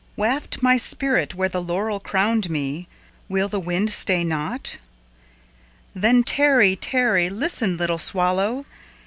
Waft my spirit where the laurel crowned me! Will the wind stay not? Then tarry, tarry, listen, little swallow!